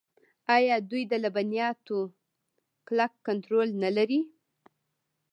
آیا دوی د لبنیاتو کلک کنټرول نلري؟